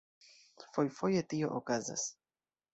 Fojfoje tio okazas.